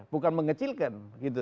bukan mengecilkan gitu